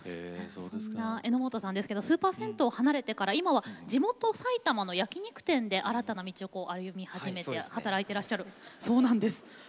そんな榎本さんですけどスーパー銭湯を離れてから今は地元埼玉の焼き肉店で新たな道を歩み始めて働いてらっしゃるそうなんです。